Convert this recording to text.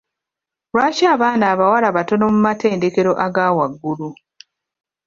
Lwaki abaana abawala batono mu matendekero aga waggulu?